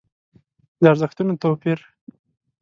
د ارزښتونو توپير.